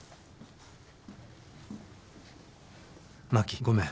真希ごめん。